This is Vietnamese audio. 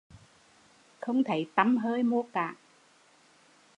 Không thấy tăm hơi mô cả